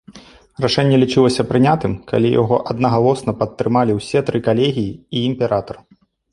Рашэнне лічылася прынятым, калі яго аднагалосна падтрымалі ўсе тры калегіі і імператар.